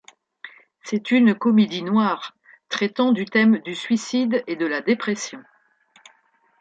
C'est une comédie noire traitant du thème du suicide et de la dépression.